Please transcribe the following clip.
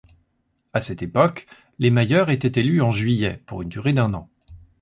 À cette époque, les mayeurs étaient élus en juillet pour une durée d'un an.